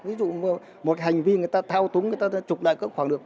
ví dụ một hành vi người ta thao túng người ta trục đại cấp khoảng được